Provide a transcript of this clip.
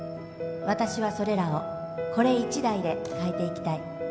私はそれらをこれ１台で変えていきたい